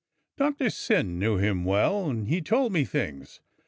"Doctor Syn knew him well, and he's told me things.